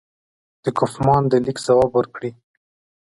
د کوفمان د لیک ځواب ورکړي.